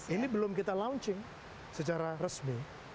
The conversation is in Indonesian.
ini belum kita launching secara resmi